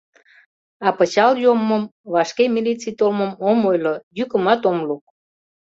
А пычал йоммым, вашке милиций толмым ом ойло, йӱкымат ом лук...